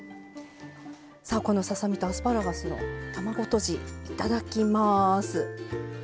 さあこのささ身とアスパラガスの卵とじいただきます。